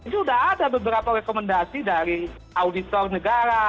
sudah ada beberapa rekomendasi dari auditor negara